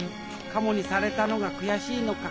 カモにされたのが悔しいのか。